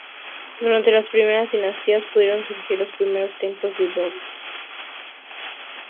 Durante las primeras dinastías pudieron surgir los primeros templos de adobe.